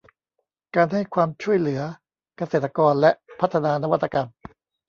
การให้ความช่วยเหลือเกษตรกรและพัฒนานวัตกรรม